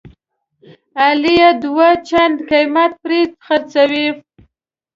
علي یې دوه چنده قیمت پرې خرڅوي.